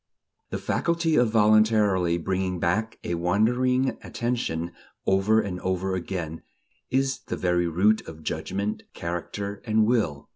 The faculty of voluntarily bringing back a wandering attention, over and over again is the very root of judgment, character and will....